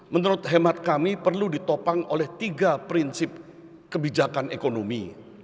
menurut hemat kami perlu ditopang oleh tiga prinsip kebijakan ekonomi